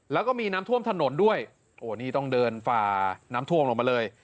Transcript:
แล้วก็มีน้ำท่วมถนนด้วยโอ้นี่ต้องเดินฝ่าน้ำท่วมลงมาเลย